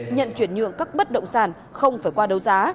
nhận chuyển nhượng các bất động sản không phải qua đấu giá